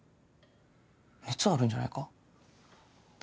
熱あるんじゃないか？